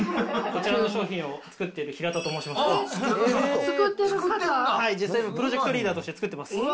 こちらの商品を作っている平田と申します。